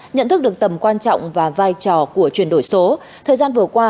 nhận thức được tầm quan trọng và vai trò của chuyển đổi số thời gian vừa qua